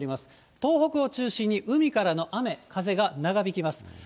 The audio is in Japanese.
東北を中心に海からの雨、風が長引きます。